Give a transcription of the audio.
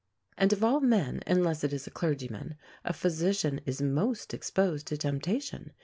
And of all men, unless it is a clergyman, a physician is most exposed to temptation.